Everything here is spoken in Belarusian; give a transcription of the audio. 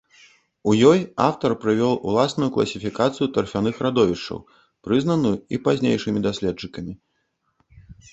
У ёй аўтар прывёў уласную класіфікацыю тарфяных радовішчаў, прызнаную і пазнейшымі даследчыкамі.